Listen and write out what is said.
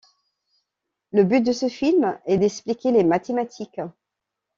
Le but de ce film est d'expliquer les mathématiques.